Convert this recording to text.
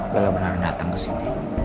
bella benar benar datang kesini